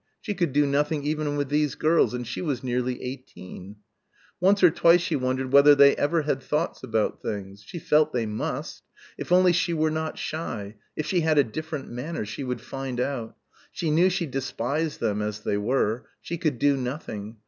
She could do nothing even with these girls and she was nearly eighteen. Once or twice she wondered whether they ever had thoughts about things ... she felt they must; if only she were not shy, if she had a different manner, she would find out. She knew she despised them as they were. She could do nothing.